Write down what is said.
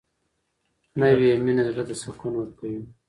نوې مینه زړه ته سکون ورکوي